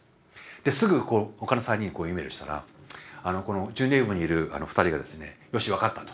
ですぐ他の３人にｅメールしたらこのジュネーブにいる２人がですね「よし分かった」と。